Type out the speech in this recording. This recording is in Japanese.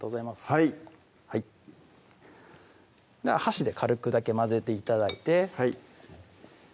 はい箸で軽くだけ混ぜて頂いてはい